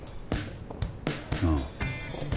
ああ。